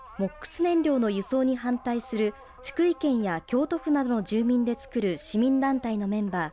ＭＯＸ燃料の輸送に反対する福井県や京都府などの住民でつくる市民団体のメンバー